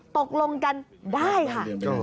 ตกลงกันได้ค่ะ